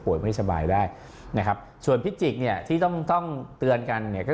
ไม่สบายได้นะครับส่วนพิจิกเนี่ยที่ต้องต้องเตือนกันเนี่ยก็คือ